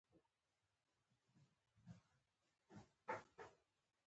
داسې درز او دروز جوړ کړي ته به وایي.